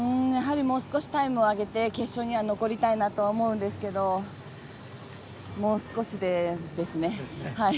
もう少しタイムを上げて決勝には残りたいなとは思うんですけどもう少しで、ですね。